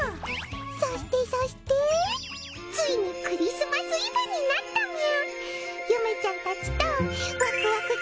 そしてそしてついにクリスマスイブになったみゃ。